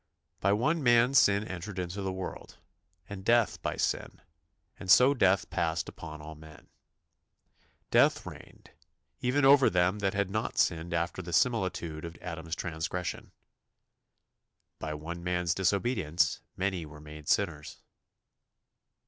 "By one man sin entered into the world, and death by sin; and so death passed upon all men." "Death reigned ... even over them that had not sinned after the similitude of Adam's transgression." "By one man's disobedience many were made sinners."